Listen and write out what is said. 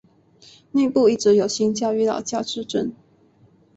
内部一直有新教与老教之争。